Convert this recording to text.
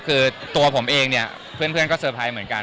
คือตัวผมเองเนี่ยเพื่อนก็เตอร์ไพรส์เหมือนกัน